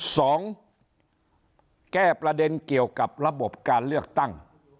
แก้ประเด็นเกี่ยวกับระบบการเลือกตั้ง